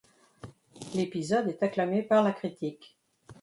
L'épisode est acclamé par la critique.